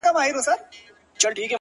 گراني ټوله شپه مي”